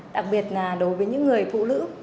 đặc biệt là đối với những người phụ nữ